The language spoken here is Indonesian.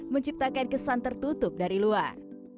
menciptakan kesan tertutup dari luar